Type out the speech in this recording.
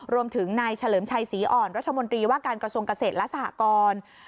รวมถึงนายเฉลิมชัยศรีอ่อนรัฐมนตรีว่าการกระทรวงเกษตรและสหกร